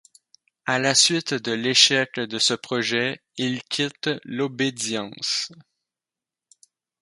À la suite de l'échec de ce projet, il quitte l'obédience.